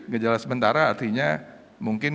gejala sementara artinya mungkin